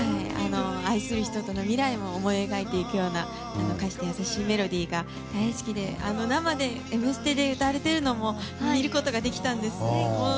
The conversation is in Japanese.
愛する人との未来を思い描いていくような歌詞と優しいメロディーが大好きで生で「Ｍステ」で歌われているのも見ることができたんです。